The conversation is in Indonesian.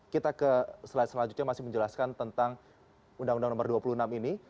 kita ke slide selanjutnya masih menjelaskan tentang undang undang nomor dua puluh enam ini